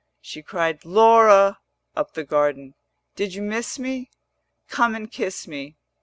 She cried 'Laura,' up the garden, 'Did you miss me? Come and kiss me.